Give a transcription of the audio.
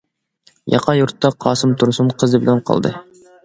ياقا يۇرتتا قاسىم تۇرسۇن قىزى بىلەن قالدى.